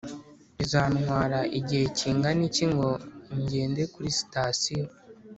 bizantwara igihe kingana iki ngo ngende kuri sitasiyo?